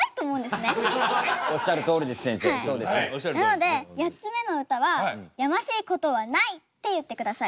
なので８つ目の歌は「やましいことはない」って言ってください。